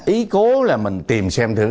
ý cố là mình tìm xem thử